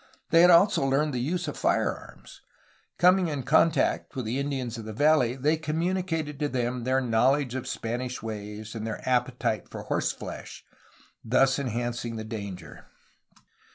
They had also learned the use of firearms. Coming in contact with the Indians of the valley they communicated to them their knowledge of Spanish ways and their appetite for horse flesh, thus enhancing the danger.